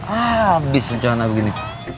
abis rencana begini